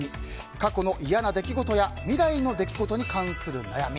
過去の嫌な出来事や未来の出来事に対する悩み。